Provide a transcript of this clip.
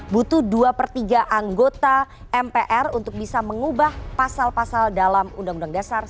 butuh dua per tiga anggota mpr untuk bisa mengubah pasal pasal dalam uud seribu sembilan ratus empat puluh lima